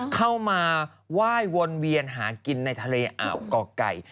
เข้ามาไหว้วนเวียนหากินในทะเลอ่าวก่อไก่